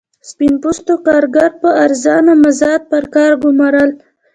سپین پوستو کارګر په ارزانه مزد پر کار ګومارل.